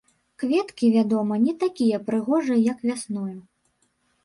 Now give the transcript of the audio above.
Кветкі, вядома, не такія прыгожыя як вясною.